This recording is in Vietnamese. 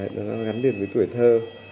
nó gắn điện với tuổi thơ